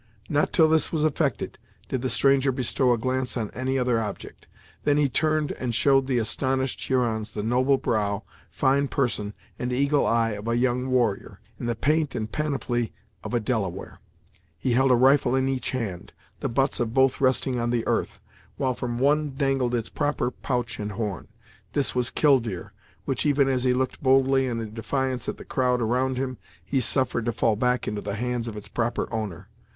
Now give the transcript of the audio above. Not till this was effected did the stranger bestow a glance on any other object; then he turned and showed the astonished Hurons the noble brow, fine person, and eagle eye, of a young warrior, in the paint and panoply of a Delaware. He held a rifle in each hand, the butts of both resting on the earth, while from one dangled its proper pouch and horn. This was Killdeer which, even as he looked boldly and in defiance at the crowd around him, he suffered to fall back into the hands of its proper owner.